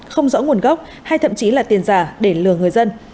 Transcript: không rõ nguồn gốc hay thậm chí là tiền giả để lừa người dân